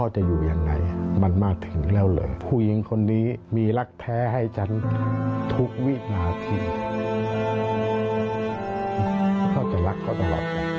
จะรักเขาตลอด